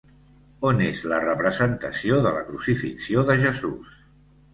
On és la representació de la Crucifixió de Jesús?